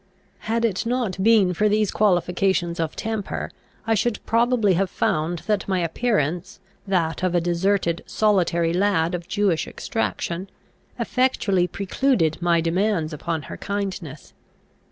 Had it not been for these qualifications of temper, I should probably have found that my appearance, that of a deserted, solitary lad, of Jewish extraction, effectually precluded my demands upon her kindness.